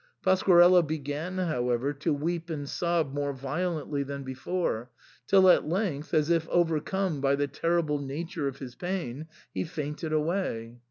Pasquarello began, however, to weep and sob more violently than before, till at length, as if overcome by the terrible nature of his pain, he fainted away.